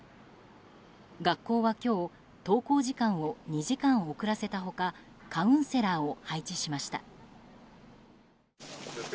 学校は今日登校時間を２時間遅らせた他カウンセラーを配置しました。